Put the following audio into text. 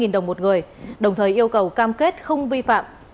hai trăm linh đồng một người đồng thời yêu cầu cam kết không vi phạm